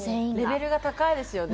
レベルが高いですよね。